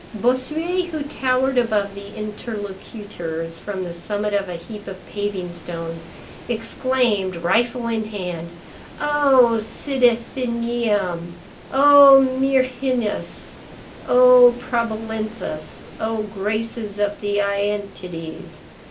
Bossuet, who towered above the interlocutors from the summit of a heap of paving stones, exclaimed, rifle in hand:— "Oh Cydathenæum, Oh Myrrhinus, Oh Probalinthus, Oh graces of the Æantides!